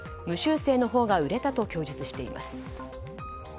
無修正のほうが売れたと供述しています。